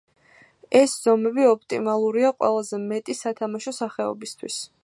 ეს ზომები ოპტიმალურია ყველაზე მეტი სათამაშო სახეობისთვის.